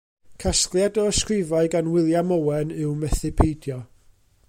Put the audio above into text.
Casgliad o ysgrifau gan William Owen yw Methu Peidio.